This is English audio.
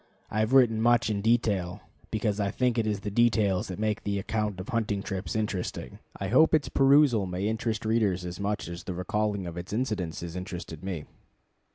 I have written much in detail, because I think it is the details that make the account of hunting trips interesting. I hope its perusal may interest readers as much as the recalling of its incidents has interested me.